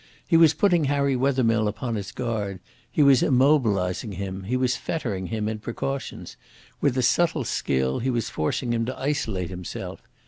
He was putting Harry Wethermill upon his guard, he was immobilising him, he was fettering him in precautions; with a subtle skill he was forcing him to isolate himself.